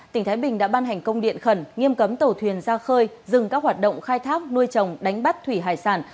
tỉnh thái bình đã ban hành công điện khẩn nghiêm cấm tàu thuyền ra khơi dừng các hoạt động khai thác nuôi trồng đánh bắt thủy hải sản